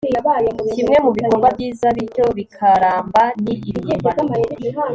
kimwe mubikorwa byiza, bityo bikaramba, ni ibihimbano